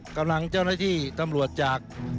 กำลังเจ้าหน้าที่ตำรวจจาก